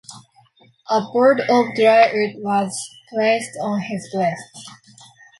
A board of dry wood was placed on his breast.